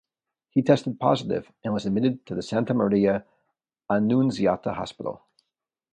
He tested positive and was admitted to Santa Maria Annunziata Hospital.